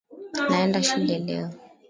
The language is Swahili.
Naenda shule leo.